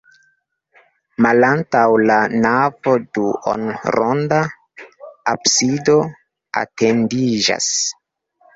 Malantaŭ la navo duonronda absido etendiĝas.